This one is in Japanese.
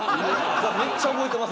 だからめっちゃ覚えてます